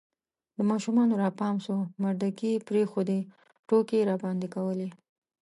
د ماشومانو را پام سو مردکې یې پرېښودې، ټوکې یې راباندې کولې